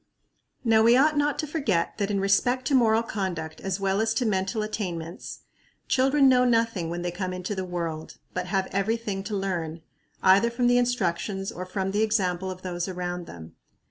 Now we ought not to forget that in respect to moral conduct as well as to mental attainments children know nothing when they come into the world, but have every thing to learn, either from the instructions or from the example of those around them.